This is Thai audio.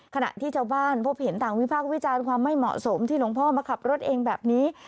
ขณะที่ชาวบ้านพบเห็นต่างวิพากษ์วิจารณ์ความไม่เหมาะสมที่หลวงพ่อมาขับรถเองแบบนี้